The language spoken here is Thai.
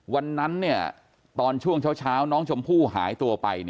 วันนั้นตอนช่วงเช้าน้องชมพู่หายตัวไป